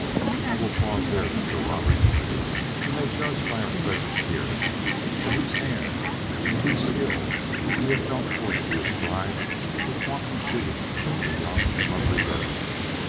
"I will pause there, Mr. Roberts. You may judge by our presence here to whose hand and to whose skill we have felt forced to ascribe this wanton shooting of a young and lovely girl.